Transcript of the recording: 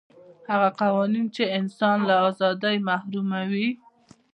هغه قوانین چې انسان له ازادۍ محروموي.